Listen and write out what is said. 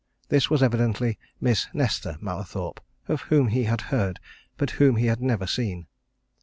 This was evidently Miss Nesta Mallathorpe, of whom he had heard, but whom he had never seen.